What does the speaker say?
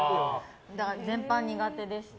全般苦手でした。